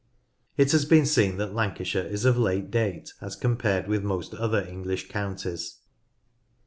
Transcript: It has been seen that Lancashire is of late date as compared with most other English counties.